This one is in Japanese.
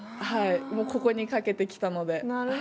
ここにかけてきたので。